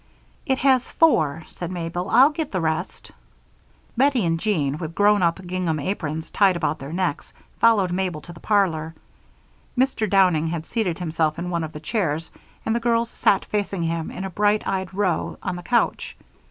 "It has four," said Mabel. "I'll get the rest." Bettie and Jean, with grown up gingham aprons tied about their necks, followed Mabel to the parlor. Mr. Downing had seated himself in one of the chairs and the girls sat facing him in a bright eyed row on the couch.